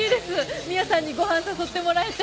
ミアさんにご飯誘ってもらえて。